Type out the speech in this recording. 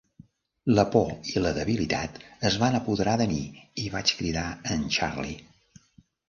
La por i la debilitat es van apoderar de mi i vaig cridar en Charlie.